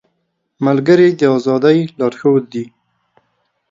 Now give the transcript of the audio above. ملګری د ازادۍ لارښود دی